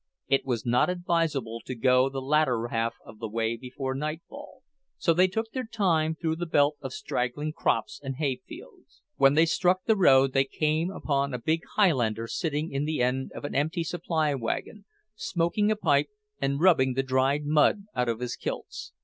It was not advisable to go the latter half of the way before nightfall, so they took their time through the belt of straggling crops and hayfields. When they struck the road they came upon a big Highlander sitting in the end of an empty supply wagon, smoking a pipe and rubbing the dried mud out of his kilts.